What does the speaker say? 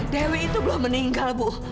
dewi itu belum meninggal bu